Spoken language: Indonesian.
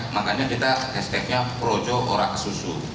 makanya kita hashtagnya projo orak ke susu